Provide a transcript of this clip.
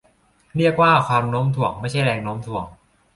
เรียกว่าความโน้มถ่วง ไม่ใช่แรงโน้มถ่วง